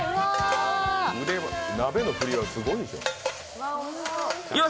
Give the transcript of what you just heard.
鍋の振りはすごいんすよ。